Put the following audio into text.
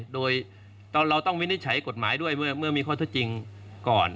โดยเราต้องวินิจฉัยกฎหมายด้วยเมื่อมีข้อเท็จจริงก่อน